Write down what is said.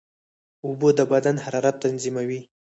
اوبه د بدن حرارت تنظیموي.